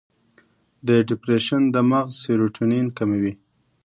د ډیپریشن د مغز سیروټونین کموي.